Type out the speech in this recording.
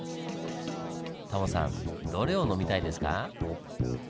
タモさんどれを飲みたいですか？